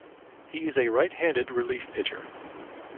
He is a right-handed relief pitcher.